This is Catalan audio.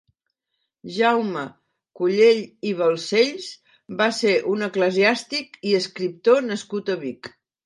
Jaume Collell i Bancells va ser un eclesiàstic i escriptor nascut a Vic.